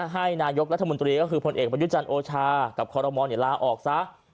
ให้นายกรัฐมนตรีก็คือผลเอกประยุจันทร์โอชากับคอรมอลลาออกซะ